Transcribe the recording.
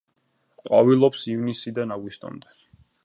ყვავილობს ივნისიდან აგვისტომდე.